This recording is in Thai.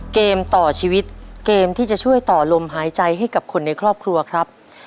เกมต่อชีวิตเกมที่จะช่วยต่อลมหายใจให้กับคนในครอบครัวครับ